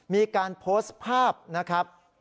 มีการโพสต์ภาพนะครับ